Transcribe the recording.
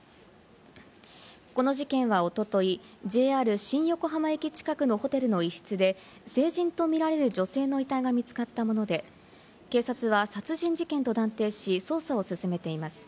この事件はおととい、ＪＲ新横浜駅近くのホテルの一室で、成人とみられる女性の遺体が見つかったもので、警察は殺人事件と断定し捜査を進めています。